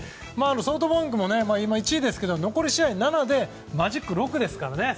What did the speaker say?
ソフトバンクは１位ですが残り試合７でマジック６ですからね。